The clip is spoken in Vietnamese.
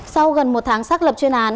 sau gần một tháng xác lập chuyên án